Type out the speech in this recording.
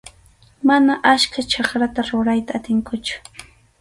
Mana achka chakrata rurayta atinkuchu.